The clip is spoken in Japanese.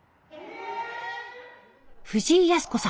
藤井靖子さん